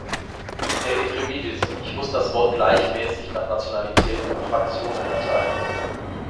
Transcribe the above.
Herr Ephremidis, ich muss das Wort gleichmäßig nach Nationalitäten und Fraktionen erteilen.